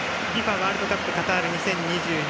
ワールドカップカタール２０２２